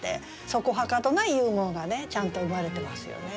そこはかとないユーモアがねちゃんと生まれてますよね。